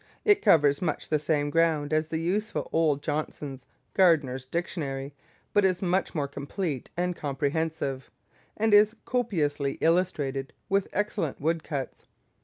It covers much the same ground as the useful old Johnson's "Gardener's Dictionary," but is much more complete and comprehensive, and is copiously illustrated with excellent wood cuts.